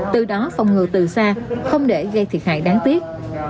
từ đó phòng ngừa từ xa không để gây thiệt hại đáng tiếc